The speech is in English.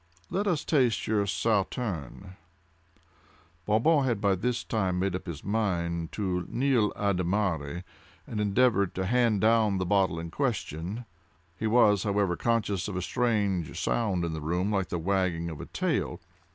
Let us taste your Sauterne." Bon Bon had by this time made up his mind to the nil admirari and endeavored to hand down the bottles in question. He was, however, conscious of a strange sound in the room like the wagging of a tail.